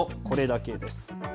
これだけです。